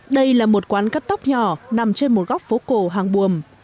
đây là một quán cắt tóc nhỏ nằm trên một góc phố cổ hàng buồm